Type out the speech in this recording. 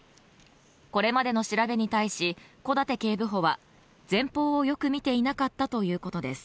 これまでの調べに対し小舘警部補は前方をよく見ていなかったということです